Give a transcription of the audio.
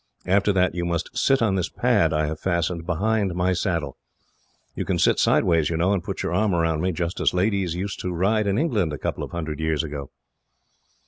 After that, you must sit on this pad I have fastened behind my saddle. You can sit sideways, you know, and put your arm around me, just as ladies used to ride in England, a couple of hundred years ago."